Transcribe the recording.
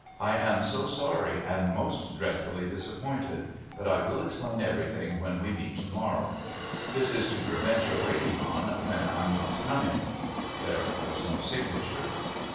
I am so sorry and most dreadfully disappointed, but I will explain everything when we meet to morrow. This is to prevent your waiting on when I'm not coming. There was no signature.